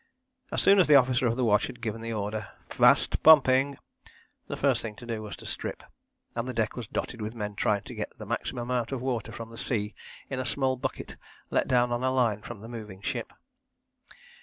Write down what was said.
As soon as the officer of the watch had given the order, "Vast pumping," the first thing to do was to strip, and the deck was dotted with men trying to get the maximum amount of water from the sea in a small bucket let down on a line from the moving ship.